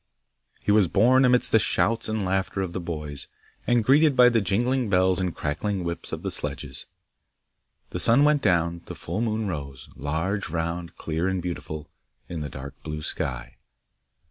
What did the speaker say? He was born amidst the shouts and laughter of the boys, and greeted by the jingling bells and cracking whips of the sledges. The sun went down, the full moon rose, large, round, clear and beautiful, in the dark blue sky.